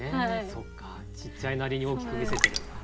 そっかちっちゃいなりに大きく見せてるんだ。